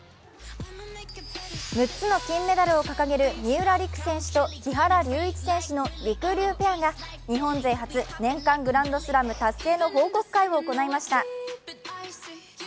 ６つの金メダルを掲げる三浦璃来選手と木原龍一選手のりくりゅうペアは日本勢初年間グランドスラム達成の報告会を行いました。